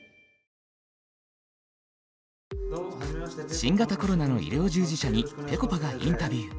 新型コロナの医療従事者にぺこぱがインタビュー。